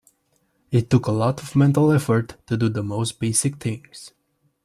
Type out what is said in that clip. It took a lot of mental effort to do the most basic things.